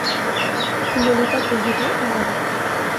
ললিতা কহিল, না।